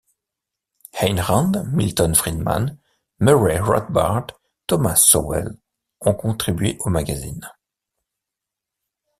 Ayn Rand, Milton Friedman, Murray Rothbard, Thomas Sowell ont contribué au magazine.